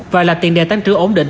và là tiền đề tăng trưởng ổn định